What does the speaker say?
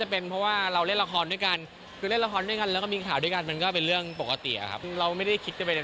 เหมือนน้องอิ่งฟ้าเขาเปิดฟิตเนท